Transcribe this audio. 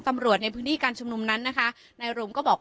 ตำรวจในพื้นที่การชุมนุมนั้นนะคะนายรุมก็บอก